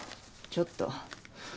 ちょっと。